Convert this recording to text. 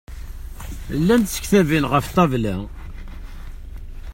Llant tektabin ɣef ṭṭabla?